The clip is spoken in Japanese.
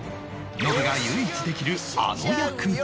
ノブが唯一できるあの役で